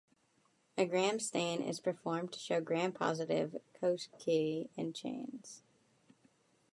A Gram stain is performed to show Gram-positive cocci in chains.